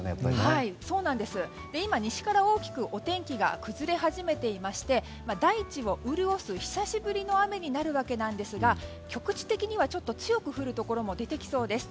今、西から大きく天気が崩れ始めていまして大地を潤す久しぶりの雨になるわけなんですが局地的には強く降るところも出てきそうです。